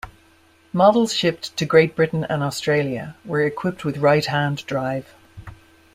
Models shipped to Great Britain and Australia were equipped with right-hand-drive.